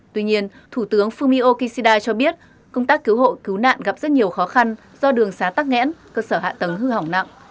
tuy nhiên thủ tướng fumio kishida cho biết công tác cứu hộ cứu nạn gặp rất nhiều khó khăn do đường xá tắc nghẽn cơ sở hạ tầng hư hỏng nặng